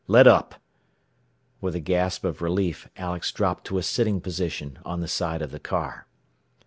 Let up." With a gasp of relief Alex dropped to a sitting position on the side of the car.